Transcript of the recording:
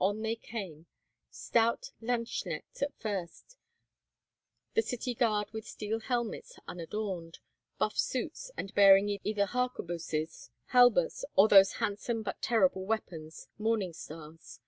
On they came—stout lanzknechts first, the city guard with steel helmets unadorned, buff suits, and bearing either harquebuses, halberts, or those handsome but terrible weapons, morning stars.